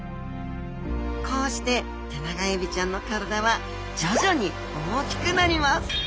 こうしてテナガエビちゃんの体は徐々に大きくなります。